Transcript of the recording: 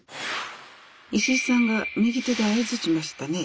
石井さんが右手で合図しましたね。